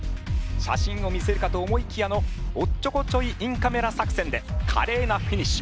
写真を見せるかと思いきやのおっちょこちょいインカメラ作戦で華麗なフィニッシュ。